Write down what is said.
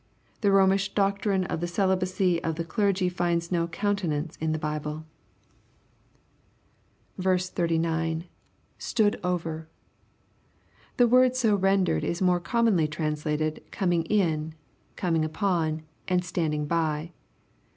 The Romish doctrine of the celibacy of tiie clergy finds no countenance in ibm Bible. 130 EXPOSITOBT THOUGHTS. 39. — [J^tood aver.} The word so rendered is more commonly trans lated " coming in," " coming upon," and " standing by."